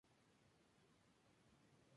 La planta no resiste las heladas.